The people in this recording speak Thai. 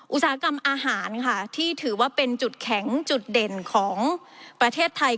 อุตสาหกรรมอาหารค่ะที่ถือว่าเป็นจุดแข็งจุดเด่นของประเทศไทย